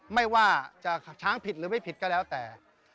ไม่ว่าจะช้างผิดหรือไม่ผิดก็แล้วแต่